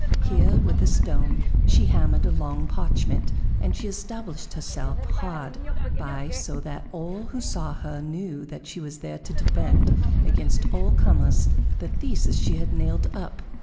Here, with a stone, she hammered a long parchment, and she established herself hard by, so that all who saw her knew that she was there to defend against all comers the theses she had nailed up.